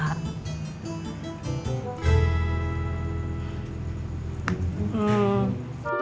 ya di sini tuh mobilnya